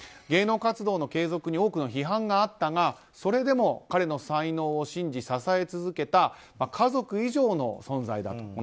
芸能活動の継続に多くの批判があったがそれでも彼の才能を信じ支え続けた家族以上の存在だと。